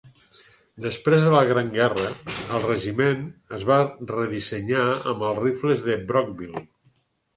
Després de la Gran Guerra, el regiment es va redissenyar amb els rifles de Brockville.